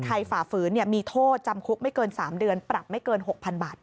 ฝ่าฝืนมีโทษจำคุกไม่เกิน๓เดือนปรับไม่เกิน๖๐๐๐บาท